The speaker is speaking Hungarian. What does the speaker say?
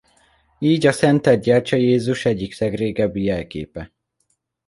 Így a szentelt gyertya Jézus egyik legrégebbi jelképe.